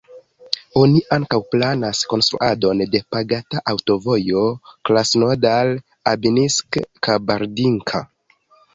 Oni ankaŭ planas konstruadon de pagata aŭtovojo Krasnodar-Abinsk-Kabardinka.